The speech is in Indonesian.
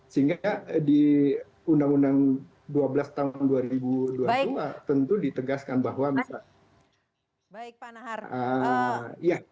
sehingga di undang undang dua belas tahun dua ribu dua puluh dua tentu ditegaskan bahwa misalnya